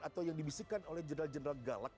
atau yang dibisikkan oleh jenderal galak